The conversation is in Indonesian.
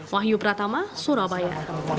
wahyu pratama surabaya